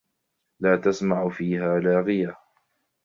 لَا تَسْمَعُ فِيهَا لَاغِيَةً